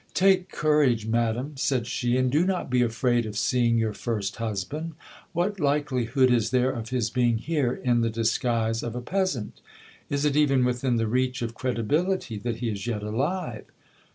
Take courage, madam, said she, and do not be afraid of seeing your first husband. What likelihood is there of his being here in the disguise of a peasant ? Is it even within the reach of credibility that he is yet alive